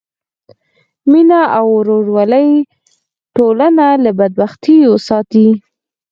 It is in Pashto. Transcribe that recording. مینه او ورورولي ټولنه له بدبختیو ساتي.